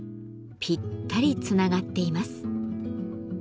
ぴったりつながっています。